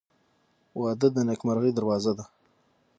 • واده د نیکمرغۍ دروازه ده.